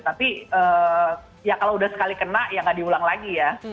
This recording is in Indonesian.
tapi ya kalau udah sekali kena ya nggak diulang lagi ya